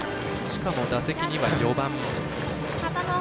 しかも、打席には４番。